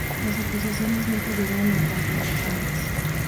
Las acusaciones nunca llegaron a concretarse más.